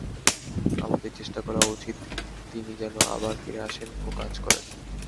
আমাদের চেষ্টা করা উচিত, তিনি যেন আবার ফিরে আসেন ও কাজ করেন।